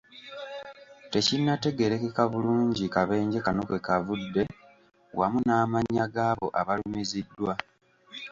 Tekinnategeereka bulungi kabenje kano kwekavudde, wamu n'amannya gaabo abalumiziddwa.